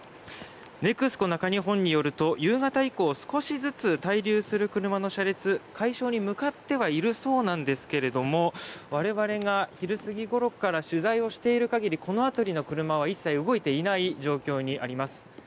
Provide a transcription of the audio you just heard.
ＮＥＸＣＯ中日本によると夕方以降、少しずつ滞留する車の車列、解消に向かってはいるそうなんですが我々が昼過ぎごろから取材をしている限りこの辺りの車は一切動いていない状況にあります。